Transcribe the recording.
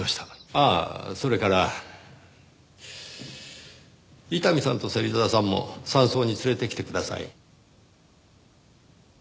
ああそれから伊丹さんと芹沢さんも山荘に連れてきてください。